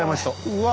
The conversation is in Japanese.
うわ！